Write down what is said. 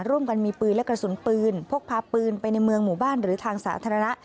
ร่วมกันมีปืนและกระสุนปืนพกพาปืนไปในเมืองหมู่บ้านหรือทางสาธารณะ